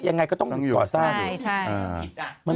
แต่ยังไงก็ต้องหยุดก่อสร้าง